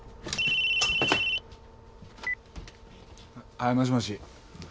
☎はいもしもし。